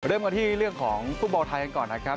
เริ่มกันที่เรื่องของฟุตบอลไทยกันก่อนนะครับ